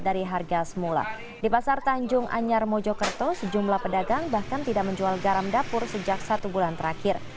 di pasar tanjung anyar mojokerto sejumlah pedagang bahkan tidak menjual garam dapur sejak satu bulan terakhir